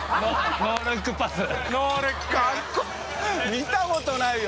見たことないよ。